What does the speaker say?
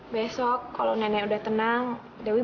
besok kalo nenek udah tenang dewi balik ke rumah